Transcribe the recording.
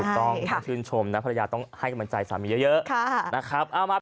ต้องชื่นชมนะภรรยาต้องให้กำลังใจสามีเยอะนะครับ